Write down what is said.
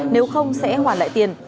nếu không sẽ hoàn lại tiền